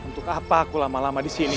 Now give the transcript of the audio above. untuk apa aku lama lama disini